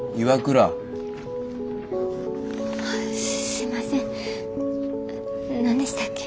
すいません何でしたっけ。